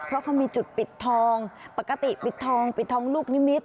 เพราะเขามีจุดปิดทองปกติปิดทองปิดทองลูกนิมิตร